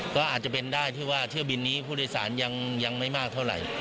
ก็อาจจะเป็นได้ที่ว่าเที่ยวบินนี้ผู้โดยสารยังไม่มากเท่าไหร่